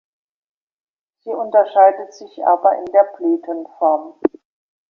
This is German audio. Sie unterscheidet sich aber in der Blütenform.